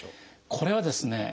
これはですね